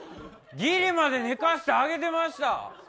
ギリまで寝かせてあげてました！